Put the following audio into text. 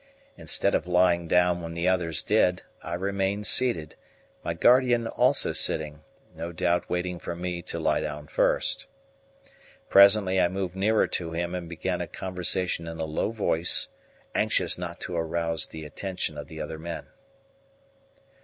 Instead of lying down when the others did, I remained seated, my guardian also sitting no doubt waiting for me to lie down first. Presently I moved nearer to him and began a conversation in a low voice, anxious not to rouse the attention of the other men.